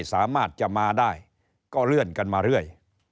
สามารถจะมาได้ก็เลื่อนกันมาเรื่อย